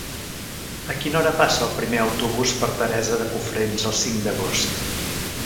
A quina hora passa el primer autobús per Teresa de Cofrents el cinc d'agost?